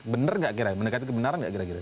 bener gak kira menekati kebenaran gak kira kira